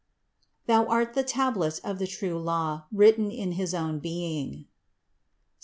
Thou art the tablet of the true law, written in his own Being (Ps.